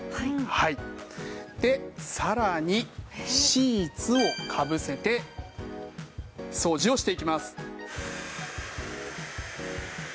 でさらにシーツをかぶせて掃除をしていきます。